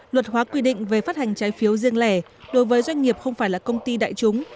luật hóa quy định về phát hành trái phiếu riêng lẻ đối với doanh nghiệp không phải là công ty đại chúng